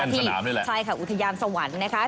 นั่นสนามนี่แหละใช่ค่ะอุทยานสวรรค์นะครับ